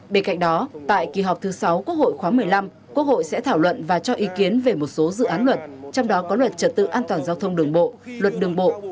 bên cạnh đó tại kỳ họp thứ sáu quốc hội khóa một mươi năm quốc hội sẽ thảo luận và cho ý kiến về một số dự án luật trong đó có luật trật tự an toàn giao thông đường bộ luật đường bộ